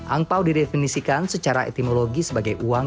angpau didefinisikan secara etimologi sebagai uang